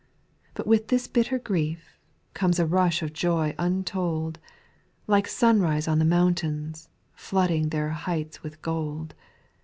7. But with this bitter grief, comes A rush of joy untold, Like sunrise on the mountains, Flooding their heights with gold.